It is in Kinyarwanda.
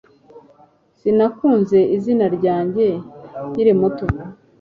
Sinakunze izina ryanjye nkiri muto